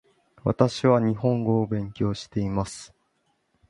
私は日本語を勉強しています